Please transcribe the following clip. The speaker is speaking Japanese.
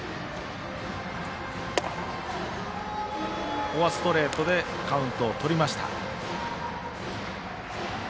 ここはストレートでカウントをとりました。